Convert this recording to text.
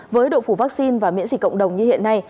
với độ phủ vaccine và miễn dịch cộng đồng như hiện nay